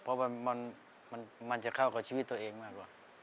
เพราะว่ามันจะเข้ากับชีวิตตัวเองมากกว่า